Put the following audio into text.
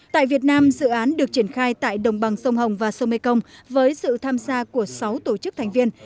tại việt nam dự án được triển khai tại đồng bằng sông hồng và sông mê công với sự tham gia của sáu tổ chức thành viên